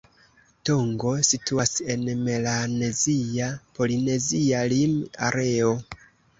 Tongo situas en melanezia-polinezia lim-areo.